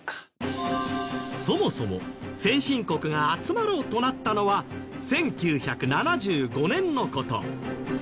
そもそも先進国が集まろうとなったのは１９７５年の事。